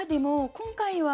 「今回は」？